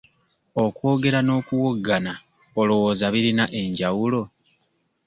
Okwogera n'okuwoggana olowooza birina enjawulo?